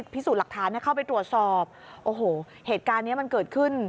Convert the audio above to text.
พิสูจน์หลักฐานเข้าไปตรวจสอบโอ้โหเหตุการณ์เนี้ยมันเกิดขึ้น